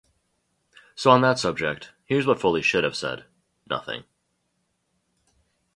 So on that subject here's what Foley should have said: nothing.